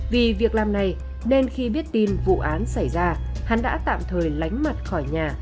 vì việc làm này nên khi biết tin vụ án xảy ra hắn đã tạm thời lánh mặt khỏi nhà